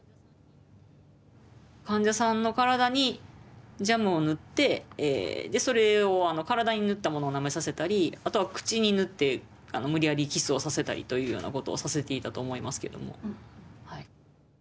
患者さんの体にジャムを塗ってそれを体に塗ったものをなめさせたりあとは口に塗って無理やりキスをさせたりというようなことをさせていたと思いますけども。